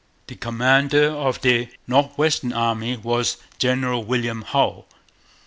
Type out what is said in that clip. The commander of the north western army was General William Hull.